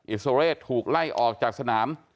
อิสราเรศถูกไล่ออกจากสนาม